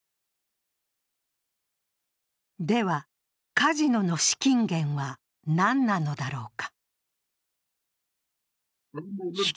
では、カジノの資金源は何なのだろうか。